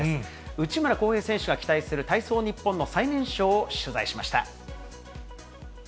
内村航平選手が期待する体操ニッポンの最年少を取材しました。